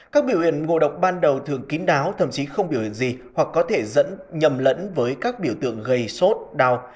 các biểu hiện ngộ độc ban đầu thường kín đáo thậm chí không biểu gì hoặc có thể dẫn nhầm lẫn với các biểu tượng gây sốt đau